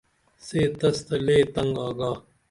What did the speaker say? سے تس تہ لے تنگ آگا